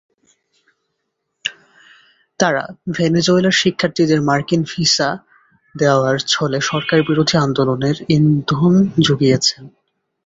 তাঁরা ভেনেজুয়েলার শিক্ষার্থীদের মার্কিন ভিসা দেওয়ার ছলে সরকারবিরোধী আন্দোলনে ইন্ধন জুগিয়েছেন।